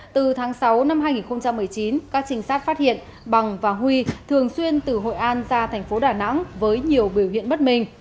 từ tháng sáu năm hai nghìn một mươi chín các trinh sát phát hiện bằng và huy thường xuyên từ hội an ra thành phố đà nẵng với nhiều biểu hiện bất minh